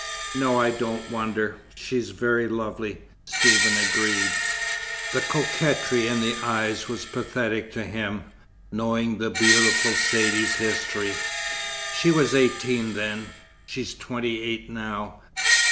"No, I don't wonder. She's very lovely," Stephen agreed. The coquetry in the eyes was pathetic to him, knowing the beautiful Saidee's history. "She was eighteen then. She's twenty eight now.